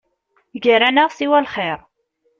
Gar-aneɣ siwa lxir.